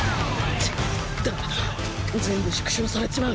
チッダメだ全部縮小されちまう！